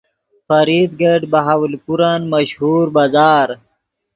فرید گیٹ بہاولپورن مشہور بازار